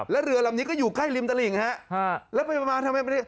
แล้วเรือลำนี้ก็อยู่ใกล้ริมตลิ่งฮะแล้วไปมาทำไมไม่ได้